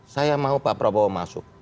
saya mau pak prabowo masuk